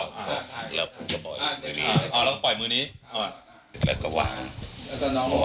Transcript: เหลือเรามาเจอ